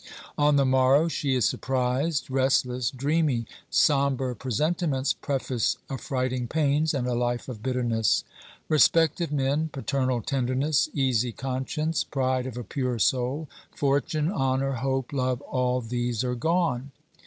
" On the morrow she is surprised, restless, dreamy ; sombre presentiments preface affrighting pains and a life of bitterness. Respect of men, paternal tenderness, easy conscience, pride of a pure soul, fortune, honour, hope, love, all these are gone.